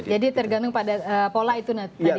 oke jadi tergantung pada pola itu